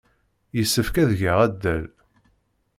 Yessefk ad geɣ addal.